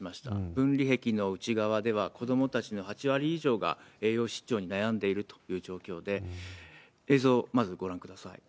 分離壁の内側では、子どもたちの８割以上が栄養失調に悩んでいるという状況で、映像、まずご覧ください。